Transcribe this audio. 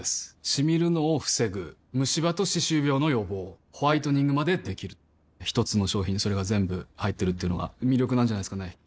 シミるのを防ぐムシ歯と歯周病の予防ホワイトニングまで出来る一つの商品にそれが全部入ってるっていうのが魅力なんじゃないですかね